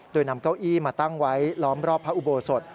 โดยนำเก้าอี้มาตั้งไว้ล้อมรอบพระอุโบสถ